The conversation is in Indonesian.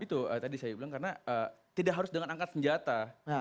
itu tadi saya bilang karena tidak harus dengan angkat senjata